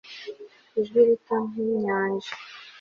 Ijwi rito nkinyanja